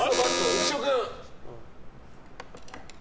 浮所君。